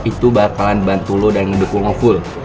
itu bakalan bantu lo dan ngedukung nge full